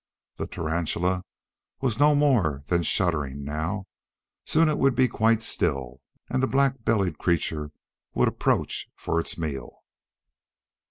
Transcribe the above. The tarantula was no more than shuddering now. Soon it would be quite still and the black bellied creature would approach for its meal.